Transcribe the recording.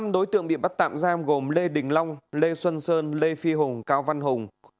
năm đối tượng bị bắt tạm giam gồm lê đình long lê xuân sơn lê phi hùng cao văn hùng